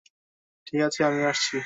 ঠিক আছে, আমি আসছি।